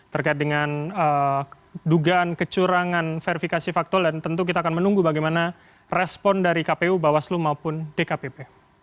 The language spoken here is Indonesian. terkait dengan dugaan kecurangan verifikasi faktual dan tentu kita akan menunggu bagaimana respon dari kpu bawaslu maupun dkpp